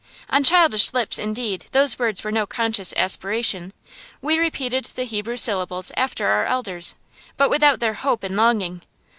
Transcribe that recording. On childish lips, indeed, those words were no conscious aspiration; we repeated the Hebrew syllables after our elders, but without their hope and longing.